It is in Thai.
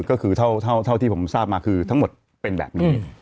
ก็คือเท่าที่ผมทราบมาคือทั้งหมดเป็นแบบนี้